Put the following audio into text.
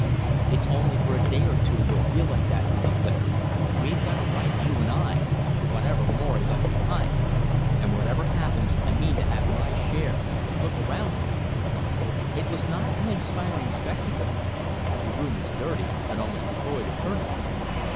"It's only for a day or two you'll feel like that," he declared. "We've got a right, you and I, to whatever Morry left behind, and whatever happens I mean to have my share. Look around you!" It was not an inspiring spectacle. The room was dirty, and almost devoid of furniture.